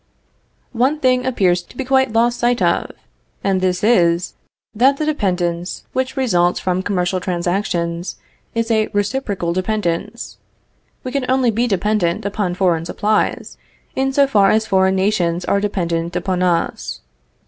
One thing appears to be quite lost sight of, and this is, that the dependence which results from commercial transactions, is a reciprocal dependence. We can only be dependent upon foreign supplies, in so far as foreign nations are dependent upon us.